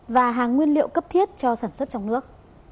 và hàng nguyên liệu cấp thiết cho sản xuất trong nước